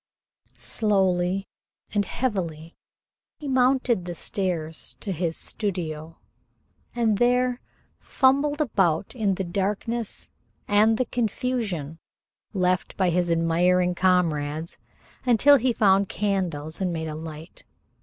Slowly and heavily he mounted the stairs to his studio, and there fumbled about in the darkness and the confusion left by his admiring comrades until he found candles and made a light.